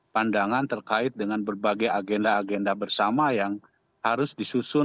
pandangan terkait dengan berbagai agenda agenda bersama yang harus disusun